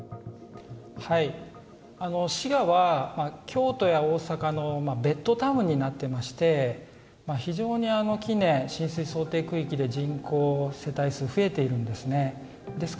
滋賀は京都や大阪のベッドタウンになっていまして非常に近年、浸水想定区域で人口世帯数が増えているんですね。